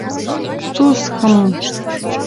ТузХм-м.